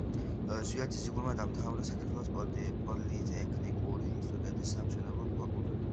ზვიად ძიძიგურმა დაამთავრა საქართველოს პოლიტექნიკური ინსტიტუტის სამშენებლო ფაკულტეტი.